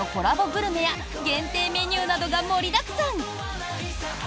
グルメや限定メニューなどが盛りだくさん。